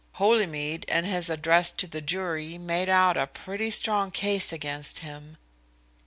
Holymead in his address to the jury made out a pretty strong case against him."